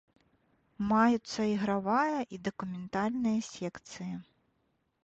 Маюцца ігравая і дакументальныя секцыі.